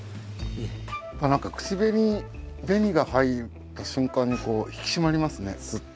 何か口紅紅が入った瞬間にこう引き締まりますねすっと。